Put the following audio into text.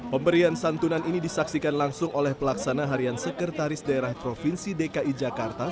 pemberian santunan ini disaksikan langsung oleh pelaksana harian sekretaris daerah provinsi dki jakarta